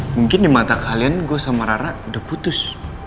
mungkin di mata kalian gue sama rara udah putus